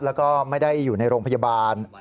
แล้วก็ไม่ได้อยู่ในโรงพยาบาล